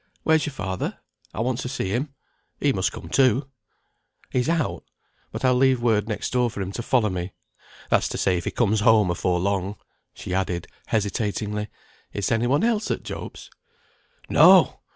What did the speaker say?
Where's your father? I want to see him. He must come too." "He's out, but I'll leave word next door for him to follow me; that's to say, if he comes home afore long." She added, hesitatingly, "Is any one else at Job's?" "No!